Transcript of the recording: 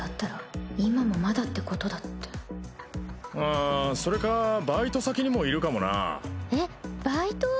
あそれかバイト先にもいるかもなえっバイト？